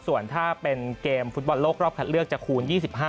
ส่วนถ้าเป็นเกมฟุตบอลโลกรอบคัดเลือกจะคูณ๒๕